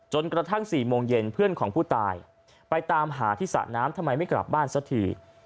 กระทั่ง๔โมงเย็นเพื่อนของผู้ตายไปตามหาที่สระน้ำทำไมไม่กลับบ้านสักที